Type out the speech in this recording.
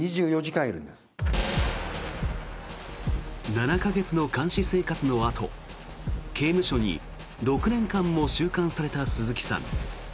７か月の監視生活のあと刑務所に６年間も収監された鈴木さん。